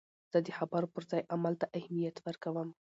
زه د خبرو پر ځای عمل ته اهمیت ورکوم.